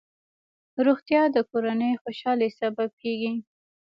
روغتیا د کورنۍ خوشحالۍ سبب کېږي.